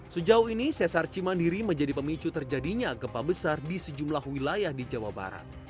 sejauh ini sesar cimandiri menjadi pemicu terjadinya gempa besar di sejumlah wilayah di jawa barat